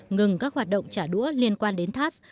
ngừng các hoạt động trả đũa liên quan đến thass